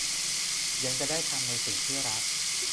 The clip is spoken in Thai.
ยังจะได้ทำในสิ่งที่รัก